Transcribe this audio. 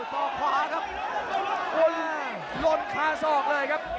ศอกขวาครับลนคาศอกเลยครับ